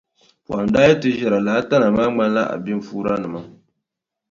Pɔhim daa yi ti ʒɛra lala tana maa ŋmanila abinfuuranima.